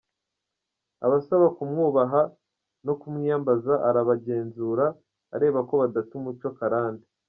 Abasaba kumwubaha no kumwiyambaza, arabagenzura areba ko badata umuco karande.